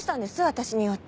私に用って。